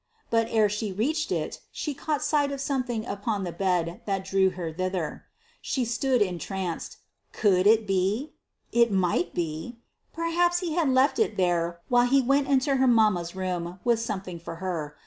But ere she reached it, she caught sight of something upon the bed that drew her thither. She stood entranced. Could it be? It might be. Perhaps he had left it there while he went into her mamma's room with something for her.